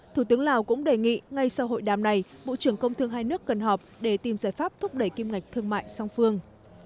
thủ tướng lào cũng đề nghị ngay sau hội đàm này bộ trưởng công thương hai nước cần họp để tìm giải pháp thúc đẩy kim ngạch thương mại song phương